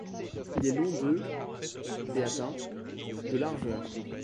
Il est long de et atteint de largeur.